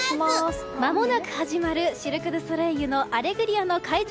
まもなく始まるシルク・ドゥ・ソレイユの「アレグリア」の会場